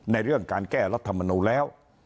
ในเรื่องการแก้รัฐมนูลแล้ว